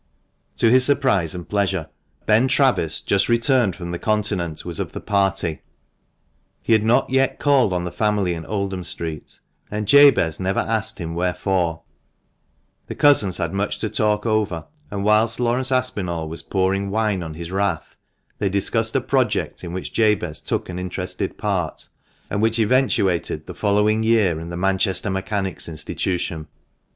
To his surprise and pleasure, Ben Travis, just returned from the Continent, was of the party. He had not yet called on the family in Oldham Street, and Jabez never asked him wherefore The cousins had much to talk over, and whilst Laurence Aspinall was pouring wine on his wrath, they discussed a project in which Jabez took an interested part, and which eventuated the following year in the Manchester Mechanics' Institution.